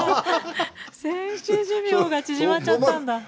選手寿命が縮まっちゃったんだ。